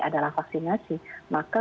adalah vaksinasi maka